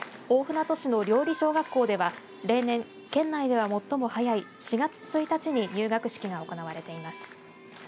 大船渡市の綾里小学校では例年県内では最も早い４月１日に入学式が行われています。